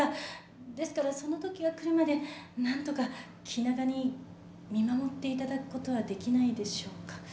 ですからそのときが来るまで何とか気長に見守っていただくことはできないでしょうか？